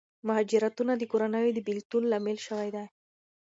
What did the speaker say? مهاجرتونه د کورنیو د بېلتون لامل شوي دي.